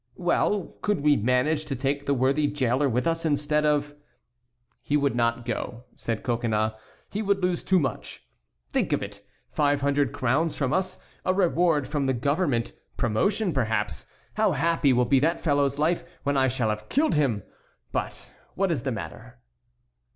"Well, could we manage to take the worthy jailer with us instead of"— "He would not go," said Coconnas, "he would lose too much. Think of it! five hundred crowns from us, a reward from the government; promotion, perhaps; how happy will be that fellow's life when I shall have killed him! But what is the matter?"